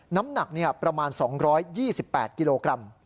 น้ำหนักประมาณ๒๒๘กิโลกรัม